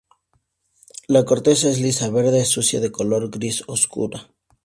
La corteza es lisa, verde sucia de color gris oscuro.